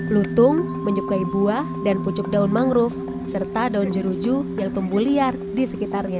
lutung menyukai buah dan pucuk daun mangrove serta daun jeruju yang tumbuh liar di sekitarnya